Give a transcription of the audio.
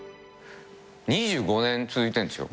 ２５年続いてんでしょ？